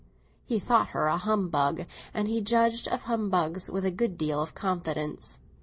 He thought her a humbug, and he judged of humbugs with a good deal of confidence.